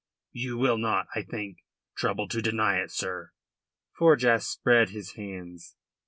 You will not, I think, trouble to deny it, sir." Forjas spread his hands.